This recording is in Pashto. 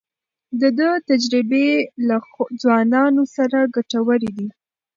د ده تجربې د ځوانانو لپاره ګټورې دي.